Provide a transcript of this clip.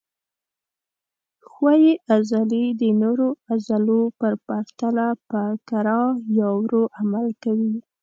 ښویې عضلې د نورو عضلو په پرتله په کراه یا ورو عمل کوي.